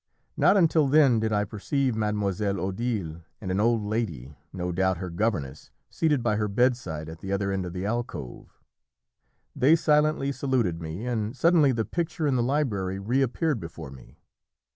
Not until then did I perceive Mademoiselle Odile and an old lady, no doubt her governess, seated by her bedside at the other end of the alcove. They silently saluted me, and suddenly the picture in the library reappeared before me.